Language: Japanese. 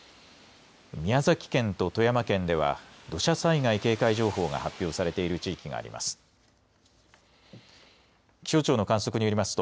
宮崎県と富山県では土砂災害警戒情報が発表されている地域があります。